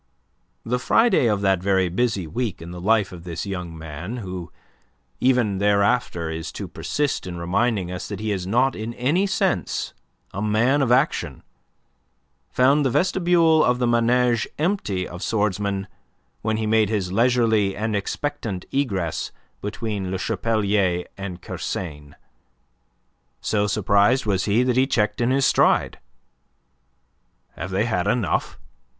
The Friday of that very busy week in the life of this young man who even thereafter is to persist in reminding us that he is not in any sense a man of action, found the vestibule of the Manege empty of swordsmen when he made his leisurely and expectant egress between Le Chapelier and Kersain. So surprised was he that he checked in his stride. "Have they had enough?"